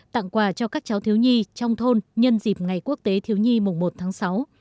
tặng quà cho các cháu thiếu nhi trong thôn nhân dịp ngày quốc tế thiếu nhi mùng một tháng sáu